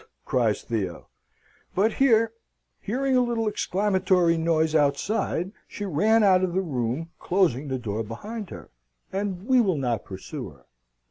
cries Theo. But here, hearing a little exclamatory noise outside, she ran out of the room, closing the door behind her. And we will not pursue her.